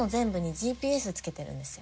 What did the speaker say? ＧＰＳがついてるんですか？